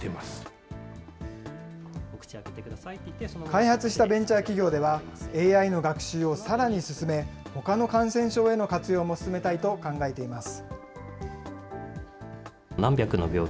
開発したベンチャー企業では、ＡＩの学習をさらに進め、ほかの感染症への活用も進めたいと考えています。